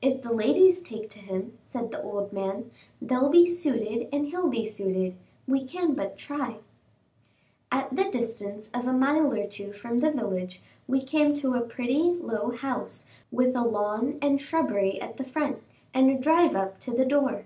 "If the ladies take to him," said the old gentleman, "they'll be suited and he'll be suited; we can but try." At the distance of a mile or two from the village, we came to a pretty, low house, with a lawn and shrubbery at the front, and a drive up to the door.